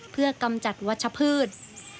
เพื่อกำจัดวัชพืช